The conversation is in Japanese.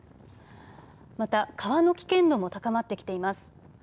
また川の危険度も高まってきています。